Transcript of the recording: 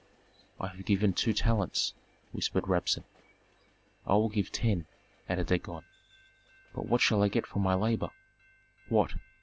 "I have given two talents!" whispered Rabsun. "I will give ten," added Dagon. "But what shall I get for my labor?" "What?